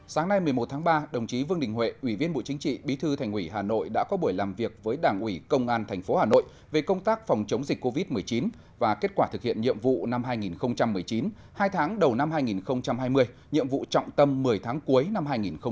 sáng nay một mươi một tháng ba đồng chí vương đình huệ ủy viên bộ chính trị bí thư thành ủy hà nội đã có buổi làm việc với đảng ủy công an tp hà nội về công tác phòng chống dịch covid một mươi chín và kết quả thực hiện nhiệm vụ năm hai nghìn một mươi chín hai tháng đầu năm hai nghìn hai mươi nhiệm vụ trọng tâm một mươi tháng cuối năm hai nghìn hai mươi